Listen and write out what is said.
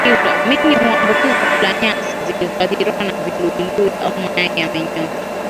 Minyoo huambukizwa kwa kula nyasi zilizoathiriwa na viluilui au mayai ya minyoo